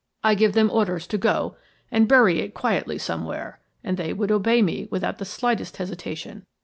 I give them orders to go and bury it quietly somewhere, and they would obey me without the slightest hesitation.